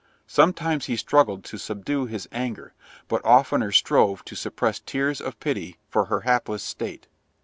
Sometimes he struggled to subdue his anger, but oftener strove to suppress tears of pity for her hapless state.